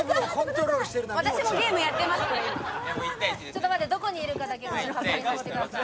ちょっと待ってどこにいるかだけ後ろ確認させてください。